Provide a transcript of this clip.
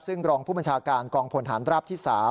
ซึ่งรองผู้บัญชาการกองพลฐานราบที่๓